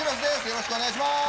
よろしくお願いします。